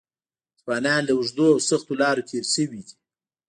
ځوانان له اوږدو او سختو لارو تېر شوي دي.